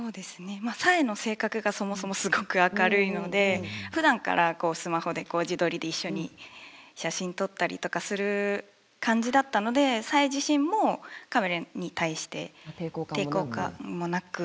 まあ彩英の性格がそもそもすごく明るいのでふだんからスマホで自撮りで一緒に写真撮ったりとかする感じだったので彩英自身もカメラに対して抵抗感もなく。